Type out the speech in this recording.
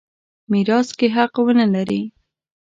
میراث کې حق ونه لري.